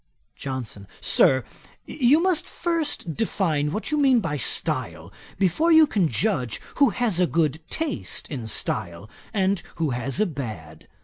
JOHNSON. 'Sir, you must first define what you mean by style, before you can judge who has a good taste in style, and who has a bad.